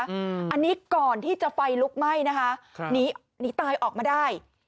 อันนี้ก่อนที่จะไฟลุกไหม้นะคะครับหนีหนีตายออกมาได้